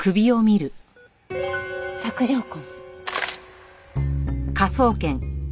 索条痕？